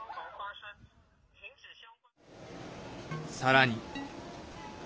さらに。